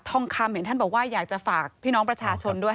ทองคำเห็นท่านบอกว่าอยากจะฝากพี่น้องประชาชนด้วย